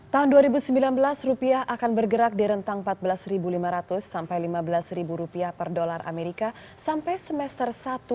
tahun dua ribu sembilan belas rupiah akan bergerak di rentang empat belas lima ratus sampai lima belas rupiah per dolar amerika sampai semester satu